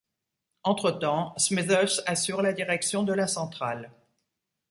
Entre-temps, Smithers assure la direction de la centrale.